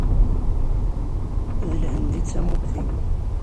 D Lhend i d tamurt-iw.